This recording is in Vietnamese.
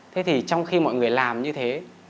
thế thì trong khi mọi người làm như thế